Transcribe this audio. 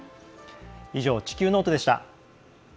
以上、「地球ノート」でした。